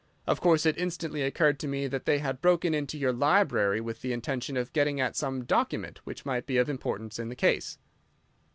Of course, it instantly occurred to me that they had broken into your library with the intention of getting at some document which might be of importance in the case."